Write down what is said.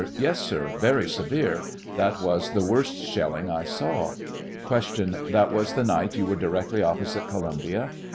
Yes, sir, very severe ; that was the worst shelling I saw. Q. That was the night you were directly opposite Columbia?